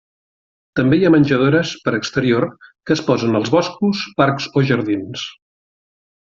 També hi ha menjadores per exterior que es posen als boscos, parcs o jardins.